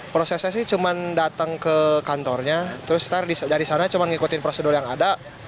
prosesnya sih cuma datang ke kantornya terus dari sana cuma ngikutin prosedur yang ada